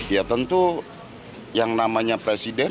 ya tentu yang namanya presiden